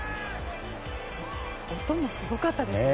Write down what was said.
音もすごかったですね。